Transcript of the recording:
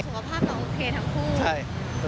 สุขภาพเราโอเคทั้งคู่